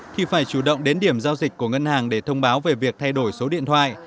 thì phải chủ động đến điểm giao dịch của ngân hàng để thông báo về việc thay đổi số điện thoại